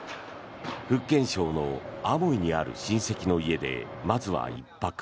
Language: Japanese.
福建省のアモイにある親戚の家で、まずは１泊。